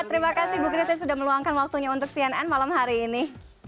terima kasih bu christie sudah meluangkan waktunya untuk cnn malam hari ini